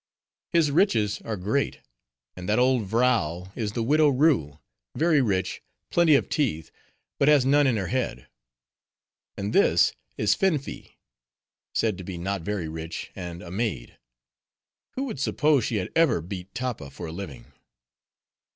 His riches are great. And that old vrow is the widow Roo; very rich; plenty of teeth; but has none in her head. And this is Finfi; said to be not very rich, and a maid. Who would suppose she had ever beat tappa for a living?"